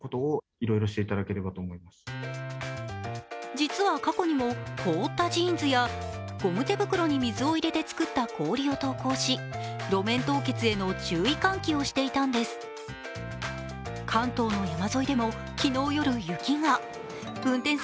実は過去にも凍ったジーンズやゴム手袋に水を入れて作った氷を投稿し、路面凍結への注意喚起をしていたのです。